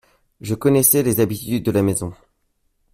Je connaissais les habitudes de la maison.